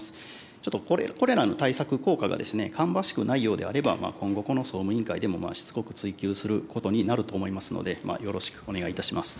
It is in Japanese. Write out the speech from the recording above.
ちょっとこれらの対策、効果が芳しくないようであれば、今後、この総務委員会でもしつこく追及することになると思いますので、よろしくお願いいたします。